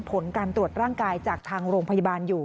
ผลการตรวจร่างกายจากทางโรงพยาบาลอยู่